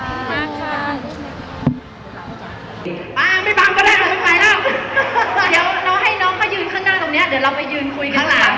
ให้น้องก็ขยืนข้างหน้าขวางตรงเนี่ยเดี๋ยวเราไปคุยกันล่าง